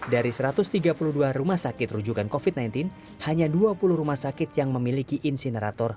dari satu ratus tiga puluh dua rumah sakit rujukan covid sembilan belas hanya dua puluh rumah sakit yang memiliki insinerator